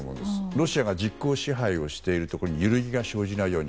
ロシアが実効支配しているところに揺るぎが生じないように。